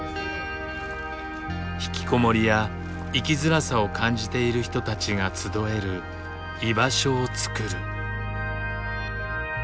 引きこもりや生きづらさを感じている人たちが集える「居場所」をつくる。